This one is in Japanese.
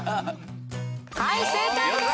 はい正解です！